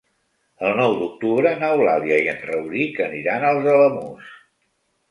El nou d'octubre n'Eulàlia i en Rauric aniran als Alamús.